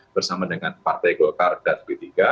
bersama dengan partai golkar dan p tiga